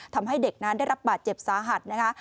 ทำให้เด็กนั้นได้รับบาดเจ็บสาหัสนะคะ